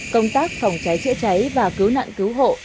công tác phòng cháy chữa cháy và cứu nạn cứu hộ